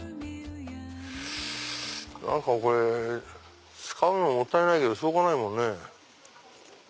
何か使うのもったいないけどしょうがないもんね。